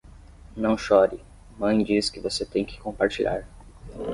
Não chore, mãe diz que você tem que compartilhar.